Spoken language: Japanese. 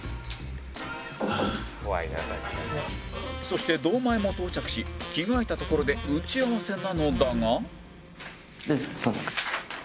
そして堂前も到着し着替えたところで打ち合わせなのだが